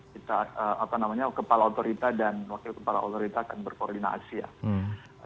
kita apa namanya kepala otorita dan wakil kepala otorita akan berkoordinasi ya